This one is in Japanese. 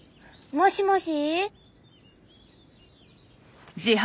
「もしもーし！